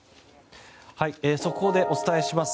速報でお伝えします。